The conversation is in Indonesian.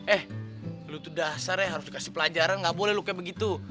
eh lu tuh dasarnya harus dikasih pelajaran gak boleh lu kayak begitu